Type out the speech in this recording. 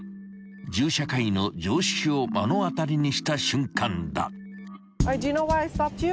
［銃社会の常識を目の当たりにした瞬間だ］